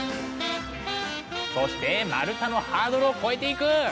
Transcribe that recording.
そして丸太のハードルを越えていく！